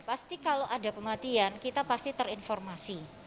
pasti kalau ada kematian kita pasti terinformasi